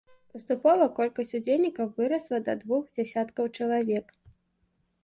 Паступова колькасць удзельнікаў вырасла да двух дзясяткаў чалавек.